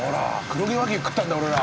黒毛和牛食ったんだ俺ら。